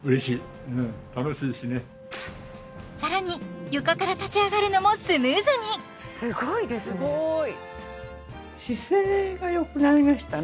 更に床から立ち上がるのもスムーズにすごいですねすごい！